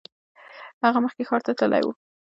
هغه مخکې ښار ته تللی و.